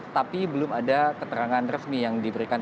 tapi belum ada keterangan resmi yang diberikan